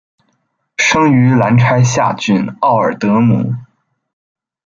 生于兰开夏郡奥尔德姆。